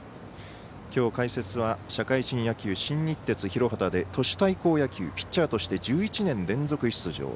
きょう、解説は社会人野球新日鉄広畑で都市対抗野球、ピッチャーとして１１年連続出場。